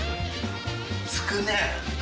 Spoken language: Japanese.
つくね！